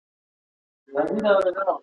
هغوی ته د سفر لپاره امر وشو.